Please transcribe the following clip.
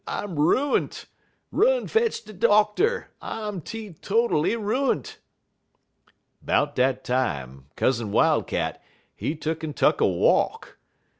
I'm ruint! Run fetch de doctor! I'm teetotally ruint!' "'Bout dat time, Cousin Wildcat, he tuck'n tuck a walk.